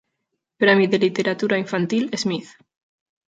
Premi de Literatura Infantil Smith.